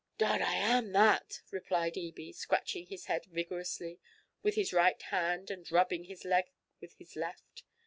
'Dod, I am that!' replied Ebie, scratching his head vigorously with his right hand and rubbing his leg with his left.